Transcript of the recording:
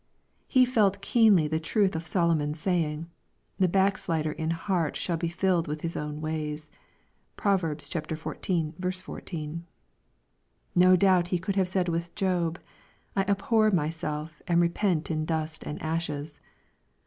He felt keenly the truth of Solomon's saying, " The backslider in heart shall be filled with his own ways." (Prov. xiv. 14.) No doubt he could have said with Job, " I abhor myself, and repent in dust and ashes."